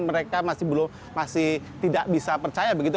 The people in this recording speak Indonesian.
mereka masih belum masih tidak bisa percaya begitu